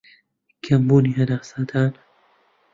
کەمبوونی هەناسەدان